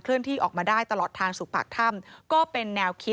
เคลื่อนที่ออกมาได้ตลอดทางสุขผักถ้ำ